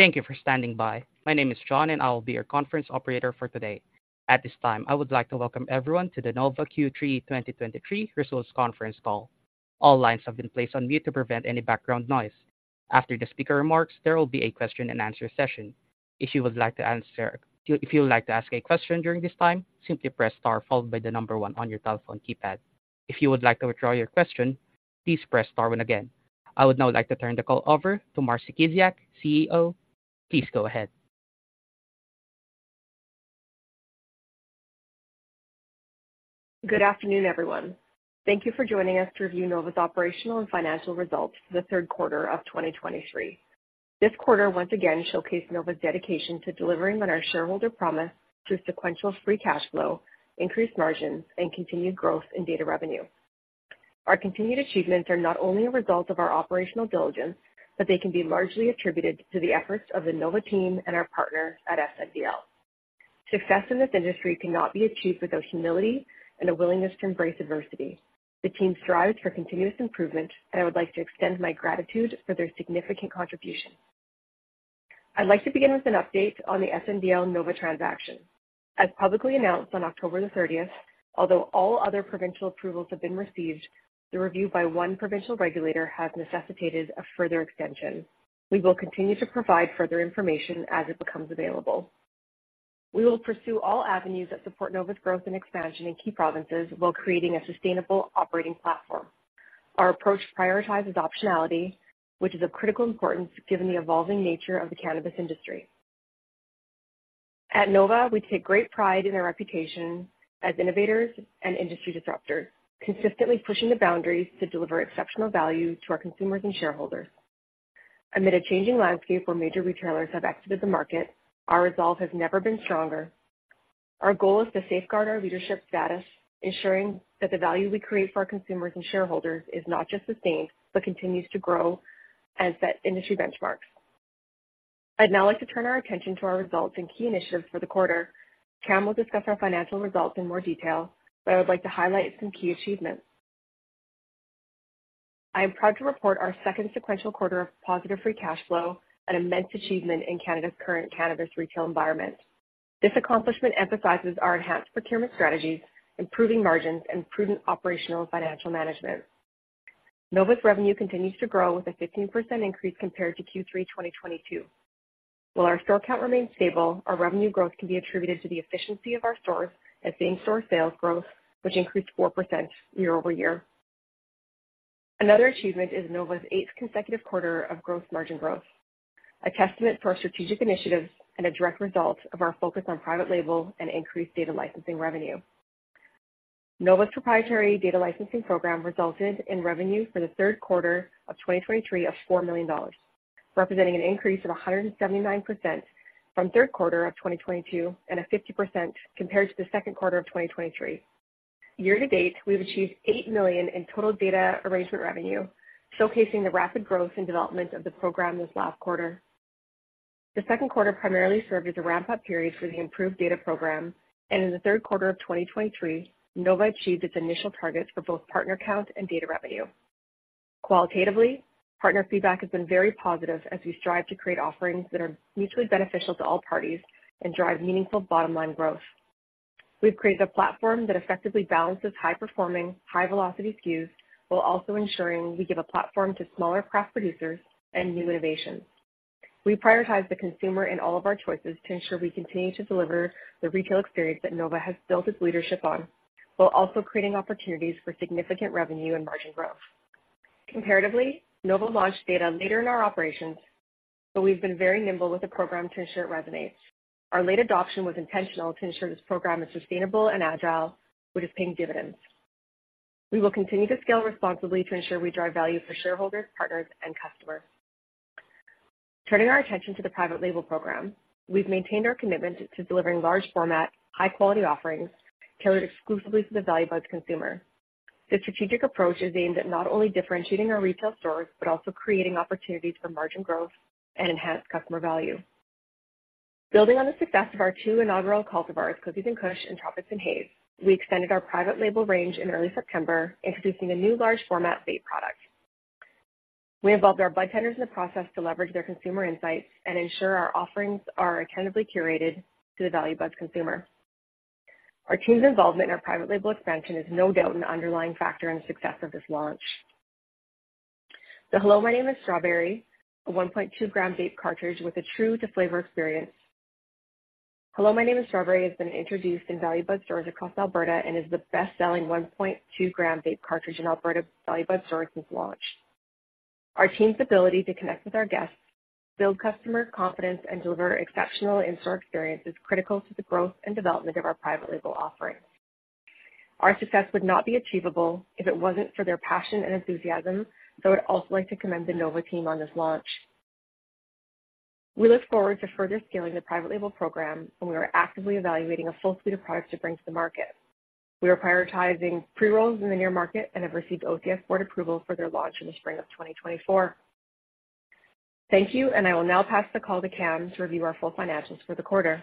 Thank you for standing by. My name is John, and I will be your conference operator for today. At this time, I would like to welcome everyone to the Nova Q3 2023 Results Conference Call. All lines have been placed on mute to prevent any background noise. After the speaker remarks, there will be a question-and-answer session. If you would like to ask a question during this time, simply press star followed by the number one on your telephone keypad. If you would like to withdraw your question, please press star one again. I would now like to turn the call over to Marcie Kiziak, CEO. Please go ahead. Good afternoon, everyone. Thank you for joining us to review Nova's operational and financial results for the third quarter of 2023. This quarter once again showcased Nova's dedication to delivering on our shareholder promise through sequential free cash flow, increased margins, and continued growth in data revenue. Our continued achievements are not only a result of our operational diligence, but they can be largely attributed to the efforts of the Nova team and our partners at SNDL. Success in this industry cannot be achieved without humility and a willingness to embrace adversity. The team strives for continuous improvement, and I would like to extend my gratitude for their significant contribution. I'd like to begin with an update on the SNDL Nova transaction. As publicly announced on October 30, although all other provincial approvals have been received, the review by one provincial regulator has necessitated a further extension. We will continue to provide further information as it becomes available. We will pursue all avenues that support Nova's growth and expansion in key provinces while creating a sustainable operating platform. Our approach prioritizes optionality, which is of critical importance given the evolving nature of the Cannabis industry. At Nova, we take great pride in our reputation as innovators and industry disruptors, consistently pushing the boundaries to deliver exceptional value to our consumers and shareholders. Amid a changing landscape where major retailers have exited the market, our resolve has never been stronger. Our goal is to safeguard our leadership status, ensuring that the value we create for our consumers and shareholders is not just the same, but continues to grow and set industry benchmarks. I'd now like to turn our attention to our results and key initiatives for the quarter. Cam will discuss our financial results in more detail, but I would like to highlight some key achievements. I am proud to report our second sequential quarter of positive free cash flow, an immense achievement in Canada's current cannabis retail environment. This accomplishment emphasizes our enhanced procurement strategies, improving margins and prudent operational financial management. Nova's revenue continues to grow, with a 15% increase compared to Q3 2022. While our store count remains stable, our revenue growth can be attributed to the efficiency of our stores and same-store sales growth, which increased 4% year-over-year. Another achievement is Nova's eighth consecutive quarter of gross margin growth, a testament to our strategic initiatives and a direct result of our focus on private label and increased data licensing revenue. Nova's proprietary data licensing program resulted in revenue for the third quarter of 2023 of 4 million dollars, representing an increase of 179% from third quarter of 2022 and a 50% compared to the second quarter of 2023. Year to date, we've achieved 8 million in total data arrangement revenue, showcasing the rapid growth and development of the program this last quarter. The second quarter primarily served as a ramp-up period for the improved data program, and in the third quarter of 2023, Nova achieved its initial targets for both partner count and data revenue. Qualitatively, partner feedback has been very positive as we strive to create offerings that are mutually beneficial to all parties and drive meaningful bottom line growth. We've created a platform that effectively balances high-performing, high-velocity SKUs while also ensuring we give a platform to smaller craft producers and new innovations. We prioritize the consumer in all of our choices to ensure we continue to deliver the retail experience that Nova has built its leadership on, while also creating opportunities for significant revenue and margin growth. Comparatively, Nova launched data later in our operations, but we've been very nimble with the program to ensure it resonates. Our late adoption was intentional to ensure this program is sustainable and agile, which is paying dividends. We will continue to scale responsibly to ensure we drive value for shareholders, partners, and customers. Turning our attention to the private label program, we've maintained our commitment to delivering large-format, high-quality offerings tailored exclusively to the Value Buds consumer. This strategic approach is aimed at not only differentiating our retail stores, but also creating opportunities for margin growth and enhanced customer value. Building on the success of our two inaugural cultivars, Cookies & Kush and Tropics & Haze, we extended our private label range in early September, introducing a new large-format vape product. We involved our budtenders in the process to leverage their consumer insights and ensure our offerings are accountably curated to the Value Buds consumer. Our team's involvement in our private label expansion is no doubt an underlying factor in the success of this launch. The Hello My name is Strawberry, a 1.2-gram vape cartridge with a true-to-flavor experience. Hello My name is Strawberry has been introduced in Value Buds stores across Alberta and is the best-selling 1.2-gram vape cartridge in Alberta Value Buds stores since launch. Our team's ability to connect with our guests, build customer confidence, and deliver exceptional in-store experience is critical to the growth and development of our private label offerings. Our success would not be achievable if it wasn't for their passion and enthusiasm, so I would also like to commend the Nova team on this launch. We look forward to further scaling the private label program, and we are actively evaluating a full suite of products to bring to the market. We are prioritizing pre-rolls in the near market and have received OCS board approval for their launch in the spring of 2024. Thank you, and I will now pass the call to Cam to review our full financials for the quarter.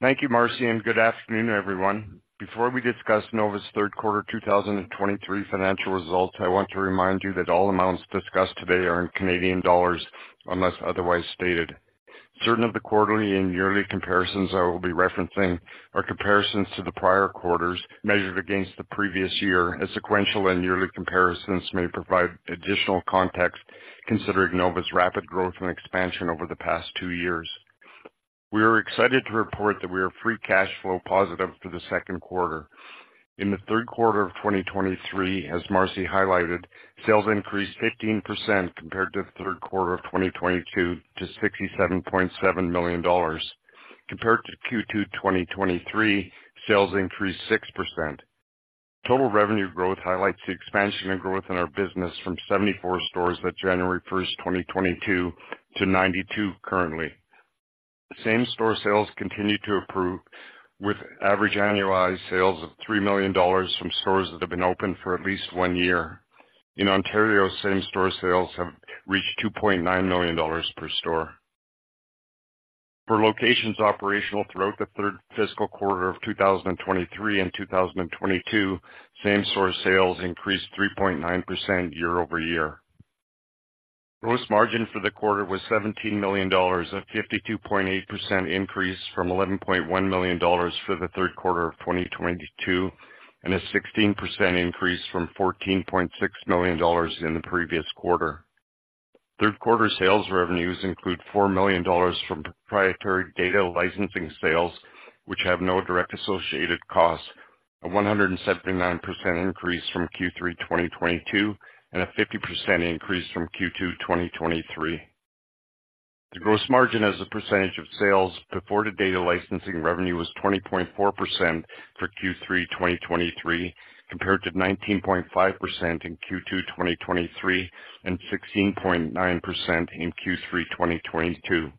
Thank you, Marcie, and good afternoon, everyone. Before we discuss Nova's third quarter 2023 financial results, I want to remind you that all amounts discussed today are in Canadian dollars, unless otherwise stated. Certain of the quarterly and yearly comparisons I will be referencing are comparisons to the prior quarters measured against the previous year, as sequential and yearly comparisons may provide additional context considering Nova's rapid growth and expansion over the past two years. We are excited to report that we are free cash flow positive for the second quarter. In the third quarter of 2023, as Marcie highlighted, sales increased 15% compared to the third quarter of 2022 to 67.7 million dollars. Compared to Q2 2023, sales increased 6%. Total revenue growth highlights the expansion and growth in our business from 74 stores by January 1, 2022, to 92 currently. Same-store sales continue to improve, with average annualized sales of 3 million dollars from stores that have been open for at least one year. In Ontario, same-store sales have reached 2.9 million dollars per store. For locations operational throughout the third fiscal quarter of 2023 and 2022, same-store sales increased 3.9% year-over-year. Gross margin for the quarter was 17 million dollars, a 52.8% increase from 11.1 million dollars for the third quarter of 2022, and a 16% increase from 14.6 million dollars in the previous quarter. Third quarter sales revenues include 4 million dollars from proprietary data licensing sales, which have no direct associated costs, a 179% increase from Q3 2022, and a 50% increase from Q2 2023. The gross margin as a percentage of sales before the data licensing revenue was 20.4% for Q3 2023, compared to 19.5% in Q2 2023, and 16.9% in Q3 2022.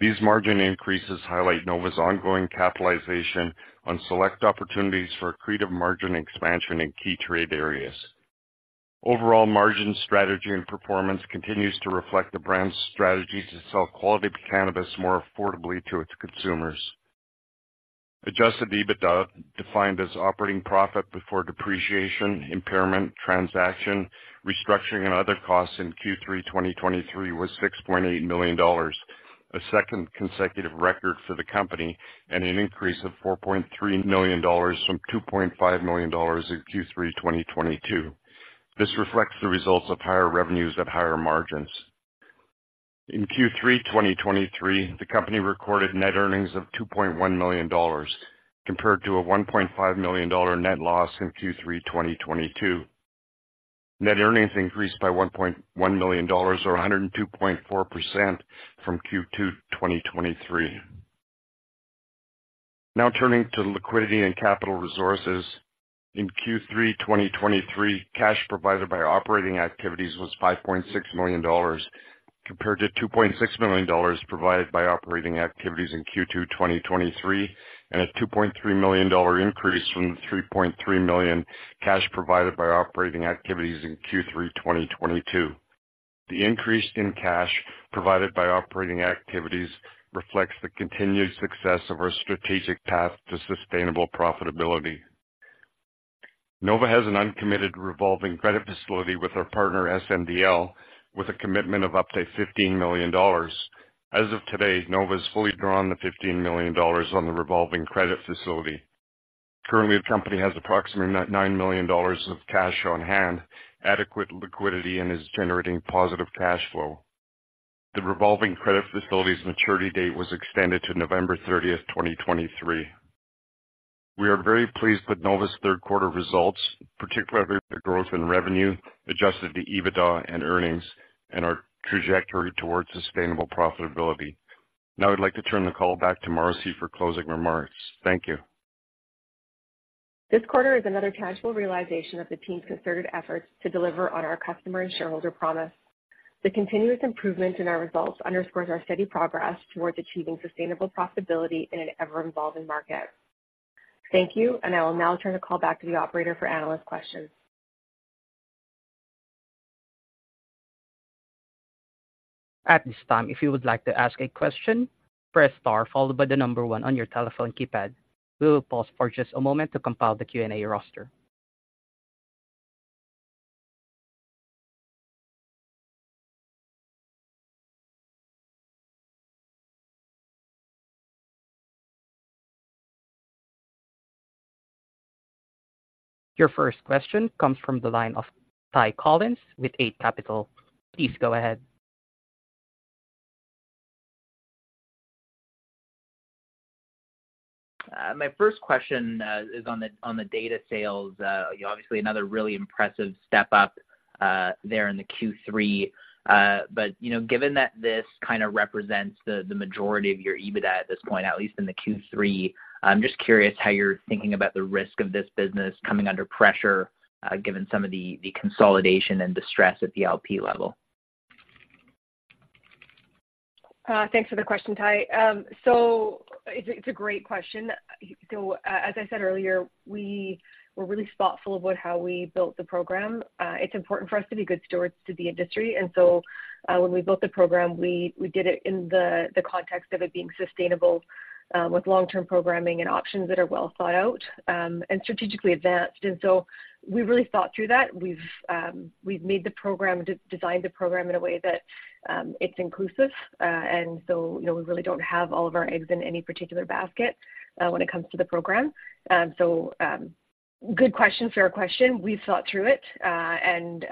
These margin increases highlight Nova's ongoing capitalization on select opportunities for accretive margin expansion in key trade areas. Overall margin strategy and performance continues to reflect the brand's strategy to sell quality cannabis more affordably to its consumers. Adjusted EBITDA, defined as operating profit before depreciation, impairment, transaction, restructuring, and other costs in Q3 2023, was 6.8 million dollars, a second consecutive record for the company and an increase of 4.3 million dollars from 2.5 million dollars in Q3 2022. This reflects the results of higher revenues at higher margins. In Q3 2023, the company recorded net earnings of 2.1 million dollars, compared to a 1.5 million dollar net loss in Q3 2022. Net earnings increased by 1.1 million dollars, or 102.4% from Q2 2023. Now turning to liquidity and capital resources. In Q3 2023, cash provided by operating activities was 5.6 million dollars, compared to 2.6 million dollars provided by operating activities in Q2 2023, and a 2.3 million dollar increase from the 3.3 million cash provided by operating activities in Q3 2022. The increase in cash provided by operating activities reflects the continued success of our strategic path to sustainable profitability. Nova has an uncommitted revolving credit facility with our partner, SNDL, with a commitment of up to 15 million dollars. As of today, Nova has fully drawn the 15 million dollars on the revolving credit facility. Currently, the company has approximately nine million dollars of cash on hand, adequate liquidity, and is generating positive cash flow. The revolving credit facility's maturity date was extended to November thirtieth, 2023. We are very pleased with Nova's third quarter results, particularly the growth in revenue, Adjusted EBITDA and earnings, and our trajectory towards sustainable profitability. Now I'd like to turn the call back to Marcie for closing remarks. Thank you. This quarter is another tangible realization of the team's concerted efforts to deliver on our customer and shareholder promise. The continuous improvement in our results underscores our steady progress towards achieving sustainable profitability in an ever-evolving market. Thank you, and I will now turn the call back to the operator for analyst questions. At this time, if you would like to ask a question, press star followed by the number one on your telephone keypad. We will pause for just a moment to compile the Q&A roster. Your first question comes from the line of Ty Collin with Eight Capital. Please go ahead. My first question is on the data sales. Obviously another really impressive step up there in the Q3. Given that this kind of represents the majority of your EBITDA at this point, at least in the Q3, I'm just curious how you're thinking about the risk of this business coming under pressure, given some of the consolidation and distress at the LP level. Thanks for the question, Ty. It's a great question. As I said earlier, we were really thoughtful about how we built the program. It's important for us to be good stewards to the industry, and so, when we built the program, we did it in the context of it being sustainable... with long-term programming and options that are well thought out, and strategically advanced. We really thought through that. We've made the program, designed the program in a way that it's inclusive. We really don't have all of our eggs in any particular basket, when it comes to the program. Good question, fair question. We've thought through it, and,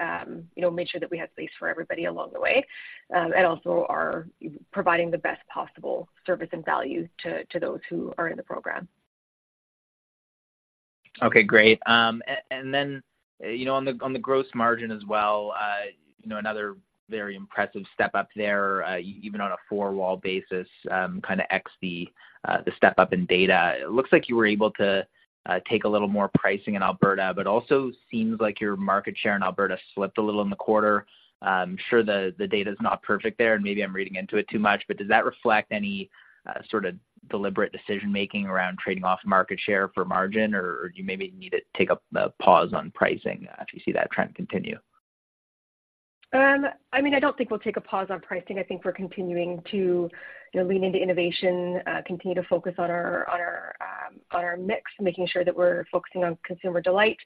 you know, made sure that we had space for everybody along the way, and also are providing the best possible service and value to, to those who are in the program. Okay, great. Then, you know, on the gross margin as well, you know, another very impressive step up there, even on a four-wall basis, X the step up in data. It looks like you were able to take a little more pricing in Alberta, but also seems like your market share in Alberta slipped a little in the quarter. I'm sure the data is not perfect there, and maybe I'm reading into it too much, but does that reflect any sort of deliberate decision-making around trading off market share for margin, or do you maybe need to take a pause on pricing, if you see that trend continue? I mean, I don't think we'll take a pause on pricing. I think we're continuing to, you know, lean into innovation, continue to focus on our mix, making sure that we're focusing on consumer delight,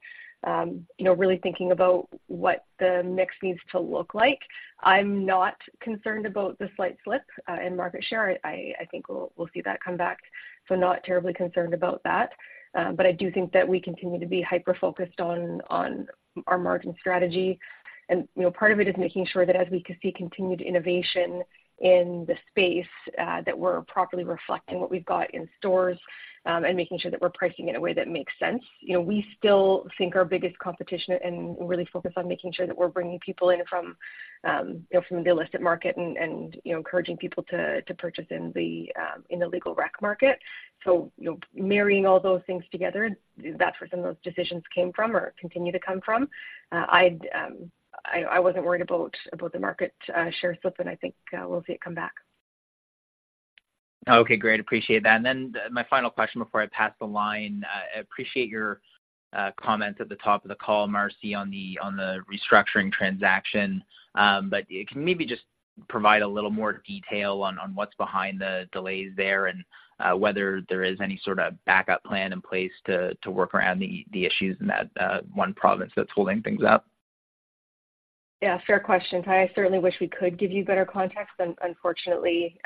you know, really thinking about what the mix needs to look like. I'm not concerned about the slight slip in market share. I think we'll see that come back, so not terribly concerned about that. I do think that we continue to be hyper-focused on our margin strategy. Part of it is making sure that as we can see continued innovation in the space, that we're properly reflecting what we've got in stores, and making sure that we're pricing in a way that makes sense. You know, we still think our biggest competition and really focus on making sure that we're bringing people in from, you know, from the illicit market and, you know, encouraging people to purchase in the legal rec market. Marrying all those things together, that's where some of those decisions came from or continue to come from. I wasn't worried about the market share slip, and I think we'll see it come back. Okay, great. Appreciate that. Then my final question before I pass the line. I appreciate your comments at the top of the call, Marcie, on the restructuring transaction, but can you maybe just provide a little more detail on what's behind the delays there, and whether there is any sort of backup plan in place to work around the issues in that one province that's holding things up? Yeah, fair question. I certainly wish we could give you better context, but unfortunately,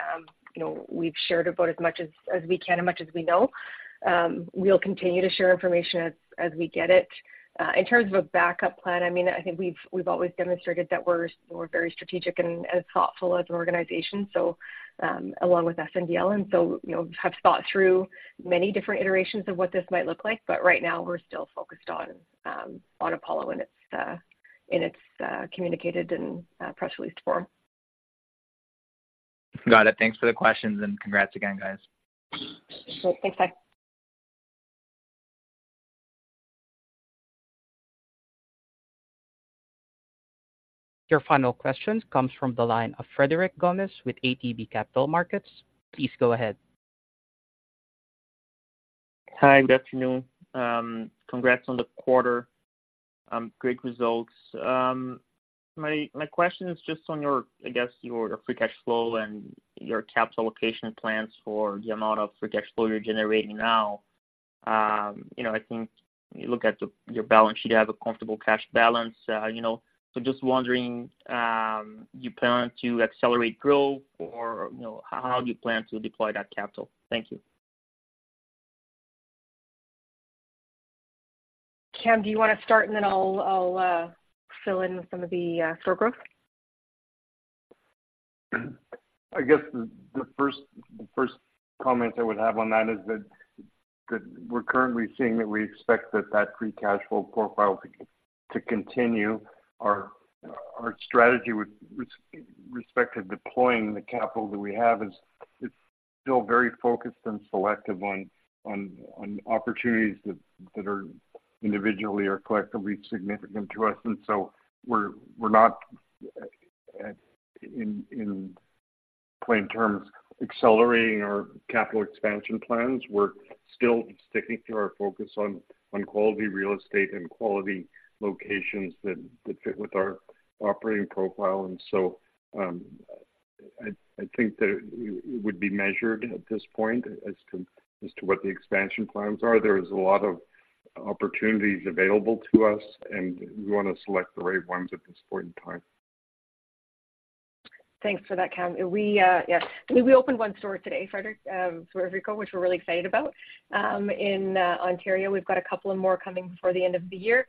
you know, we've shared about as much as we can and as much as we know. We'll continue to share information as we get it. In terms of a backup plan, I mean, I think we've always demonstrated that we're very strategic and as thoughtful as an organization, so along with SNDL, so you know, have thought through many different iterations of what this might look like, but right now, we're still focused on Apollo in its communicated and press released form. Got it. Thanks for the questions, and congrats again, guys. Great. Thanks, Bye. Your final question comes from the line of Frederico Gomes with ATB Capital Markets. Please go ahead. Hi, good afternoon. Congrats on the quarter. Great results. My question is just on your, I guess, your free cash flow and your capital allocation plans for the amount of free cash flow you're generating now. You know, I think you look at the, your balance sheet, you have a comfortable cash balance. You know, so just wondering, do you plan to accelerate growth or, you know, how do you plan to deploy that capital? Thank you. Cam, do you want to start? Then I'll fill in some of the store growth. I guess the first comment I would have on that is that we're currently seeing that we expect that free cash flow profile to continue. Our strategy with respect to deploying the capital that we have is, it's still very focused and selective on opportunities that are individually or collectively significant to us. We're not, in plain terms, accelerating our capital expansion plans. We're still sticking to our focus on quality real estate and quality locations that fit with our operating profile. I think that it would be measured at this point as to what the expansion plans are. There is a lot of opportunities available to us, and we want to select the right ones at this point in time. Thanks for that, Cam. We, yeah, we opened one store today, Frederico, which we're really excited about. In Ontario, we've got a couple of more coming before the end of the year.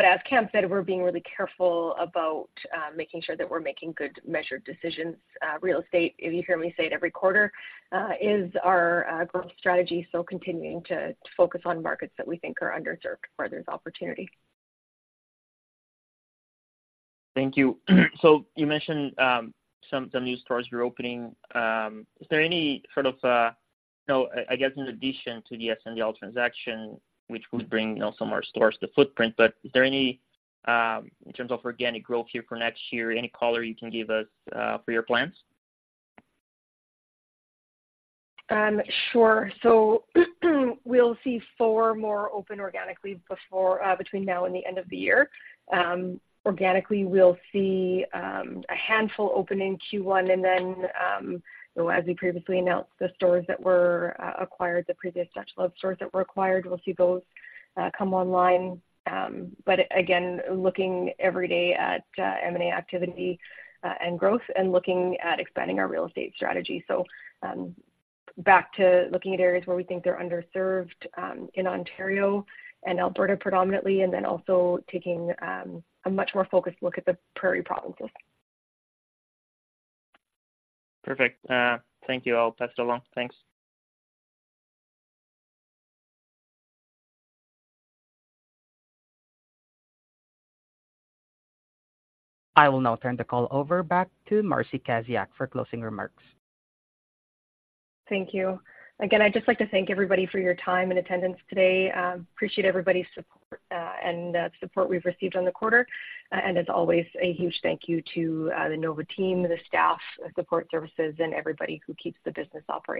But as Cam said, we're being really careful about making sure that we're making good, measured decisions. Real estate, if you hear me say it every quarter, is our growth strategy, so continuing to focus on markets that we think are underserved, where there's opportunity. Thank you. You mentioned some new stores you're opening. Is there any sort of, you know, I guess in addition to the SNDL transaction, which would bring, you know, some more stores to the footprint, but is there any in terms of organic growth here for next year, any color you can give us for your plans? Sure. we'll see four more open organically before, between now and the end of the year. Organically, we'll see a handful open in Q1, and then, as we previously announced, the stores that were acquired, the previous batch of stores that were acquired, we'll see those come online. But again, looking every day at M&A activity, and growth and looking at expanding our real estate strategy. Back to looking at areas where we think they're underserved, in Ontario and Alberta, predominantly, and then also taking a much more focused look at the Prairie provinces. Perfect. Thank you. I'll pass it along. Thanks. I will now turn the call over to Marcie Kiziak for closing remarks. Thank you. Again, I'd just like to thank everybody for your time and attendance today. Appreciate everybody's support, and the support we've received on the quarter. As always, a huge thank you to the Nova team, the staff, the support services, and everybody who keeps the business operating.